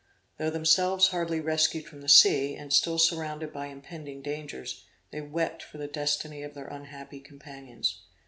Though themselves hardly rescued from the sea, and still surrounded by impending dangers, they wept for the destiny of their unhappy companions.